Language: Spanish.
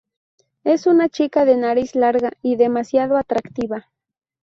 Es una chica de nariz larga y demasiado atractiva.